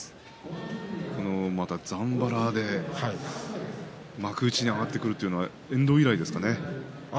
ざんばらで幕内に上がってくるのは遠藤以来ですかね。